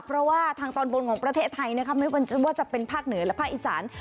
เพราะว่าทางตอนบนของประเทศไทยนะคะไม่ว่าจะเป็นภาคเหนือและภาคอีสาน